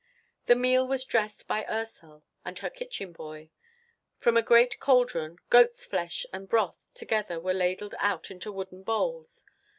The meal was dressed by Ursel and her kitchen boy. From a great cauldron, goat's flesh and broth together were ladled out into wooden bowls.